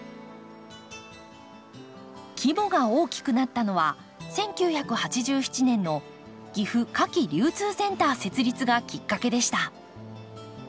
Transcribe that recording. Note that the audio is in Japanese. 規模が大きくなったのは１９８７年の岐阜花き流通センター設立がきっかけでした。